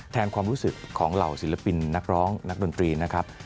ความรู้สึกของเหล่าศิลปินนักร้องนักดนตรีนะครับ